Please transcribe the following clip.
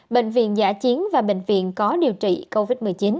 bệnh viện giả chiến và bệnh viện có điều trị covid một mươi chín